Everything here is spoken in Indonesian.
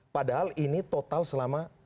padahal ini total selama